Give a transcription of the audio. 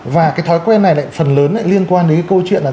và cái thói quen này lại phần lớn lại liên quan đến cái câu chuyện là